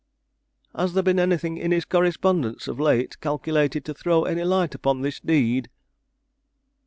"Has there been anything in his correspondence of late calculated to throw any light upon this deed?"